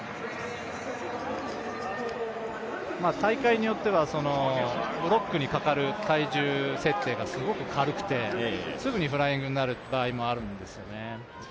大会によってはブロックにかかる体重設定がすごく軽くて、すぐにフライングになる場合もあるんですね。